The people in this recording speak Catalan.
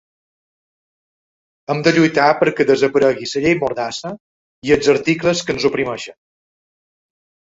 Hem de lluitar perquè desaparega la llei mordassa i els articles que ens oprimeixen.